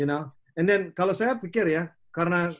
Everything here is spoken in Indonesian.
and then kalau saya pikir ya karena